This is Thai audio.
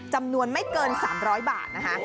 จำนวนไม่เกิน๓๐๐บาทนะคะ